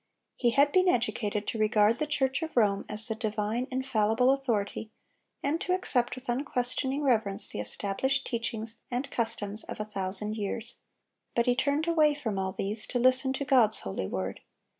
He had been educated to regard the Church of Rome as the divine, infallible authority, and to accept with unquestioning reverence the established teachings and customs of a thousand years; but he turned away from all these to listen to God's holy word.